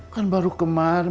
kan baru kemarin